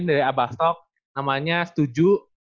dari abastok namanya setuju